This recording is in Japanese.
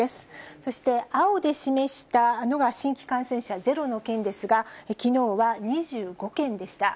そして青で示したのが新規感染者０の県ですが、きのうは２５県でした。